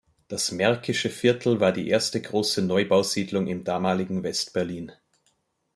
Das Märkische Viertel war die erste große Neubausiedlung im damaligen West-Berlin.